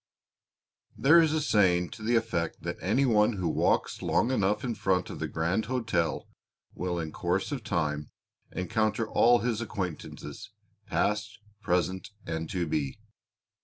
There is a saying to the effect that any one who walks long enough in front of the Grand Hôtel will, in the course of time, encounter all his acquaintances, past, present and to be.